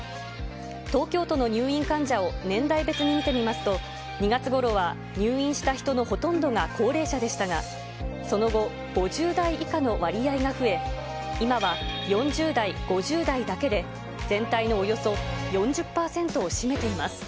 東京都の入院患者を年代別に見てみますと、２月ごろは入院した人のほとんどが高齢者でしたが、その後、５０代以下の割合が増え、今は４０代、５０代だけで全体のおよそ４０％を占めています。